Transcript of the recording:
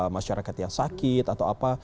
masyarakat yang sakit atau apa